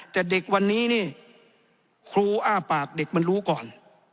แต่เด็กวันนี้นี่ครูอ้าปากเด็กมันรู้ก่อน